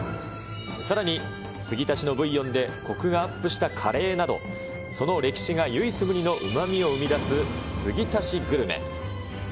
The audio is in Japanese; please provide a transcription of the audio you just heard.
さらに継ぎ足しのブイヨンでこくがアップしたカレーなど、その歴が唯一無二のうまみを生み出す継ぎ足しグルメ。